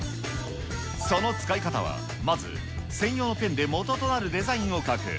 その使い方は、まず、専用のペンでもととなるデザインを描く。